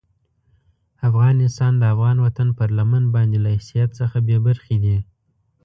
افغان انسان د افغان وطن پر لمن باندې له حیثیت څخه بې برخې دي.